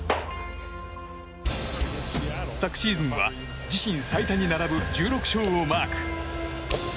昨シーズンは自身最多に並ぶ１６勝をマーク。